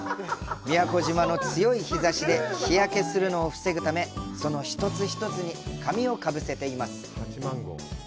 宮古島の強い日差しで日焼けするのを防ぐためその一つ一つに紙をかぶせています。